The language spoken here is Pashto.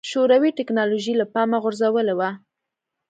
شوروي ټکنالوژي له پامه غورځولې وه.